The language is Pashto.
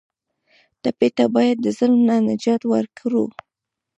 ټپي ته باید د ظلم نه نجات ورکړو.